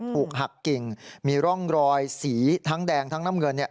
ถูกหักกิ่งมีร่องรอยสีทั้งแดงทั้งน้ำเงิน